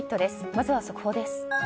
まずは速報です。